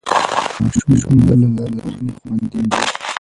ماشوم د مور له لارښوونې خوندي وي.